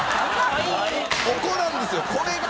ここなんですよこれが。